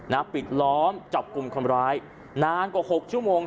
ปิดล้อมจับกลุ่มคนร้ายนานกว่าหกชั่วโมง